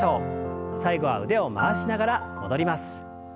最後は腕を回しながら戻ります。